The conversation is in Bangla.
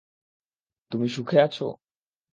তুমি সুখে আছো?